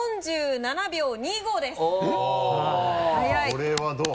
これはどう？